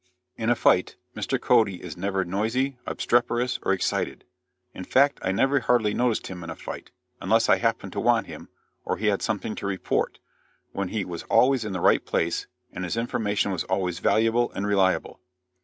"In a fight Mr. Cody is never noisy, obstreperous or excited. In fact, I never hardly noticed him in a fight, unless I happened to want him, or he had something to report, when he was always in the right place, and his information was always valuable and reliable.